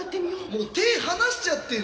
もう手離しちゃってんじゃん